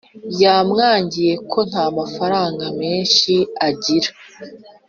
yamwangiye ko nta mafaranga menshi agira